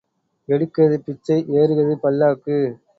எடுக்கிறது பிச்சை ஏறுகிறது பல்லாக்கு.